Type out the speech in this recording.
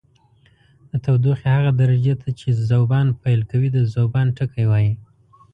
د تودوخې هغه درجې ته چې ذوبان پیل کوي د ذوبان ټکی وايي.